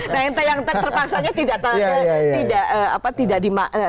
nah yang terpaksanya